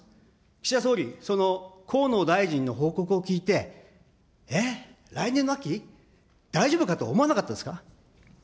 岸田総理、その河野大臣の報告を聞いて、えっ、来年の秋、大丈夫かと思わなかったんですか。